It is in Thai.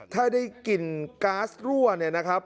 ถ้าได้กลิ่นก๊าซรั่วเนี่ยนะครับ